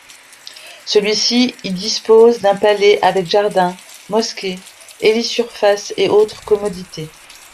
Celui-ci y dispose d'un palais avec jardins, mosquée, hélisurface, et autres commodités.